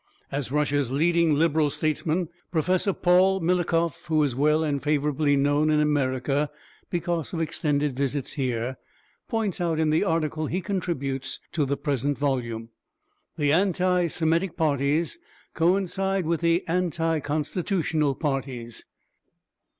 As Russia's leading Liberal statesman, Prof. Paul Milukov who is well and favorably known in America because of extended visits here points out in the article he contributes to the present volume, the anti Semitic parties coincide with the anti constitutional parties.